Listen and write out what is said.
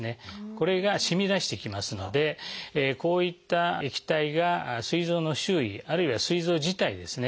これがしみ出してきますのでこういった液体がすい臓の周囲あるいはすい臓自体ですね